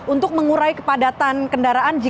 untuk mengurai kepadatan kendaraan